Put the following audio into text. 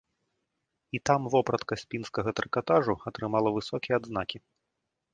І там вопратка з пінскага трыкатажу атрымала высокія адзнакі.